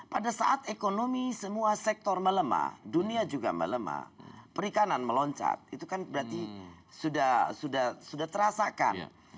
pada saat ekonomi semua sektor melemah dunia juga melemah perikanan meloncat itu kan berarti sudah terasakan